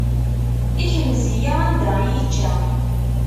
Ikmez-iyi anda i yi-ičča.